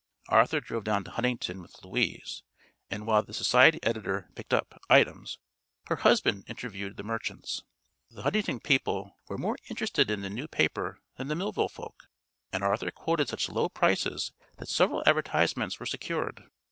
Arthur drove to Huntingdon with Louise and while the society editor picked up items her husband interviewed the merchants. The Huntingdon people were more interested in the new paper than the Millville folk, and Arthur quoted such low prices that several advertisements were secured.